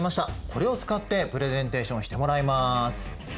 これを使ってプレゼンテーションしてもらいます。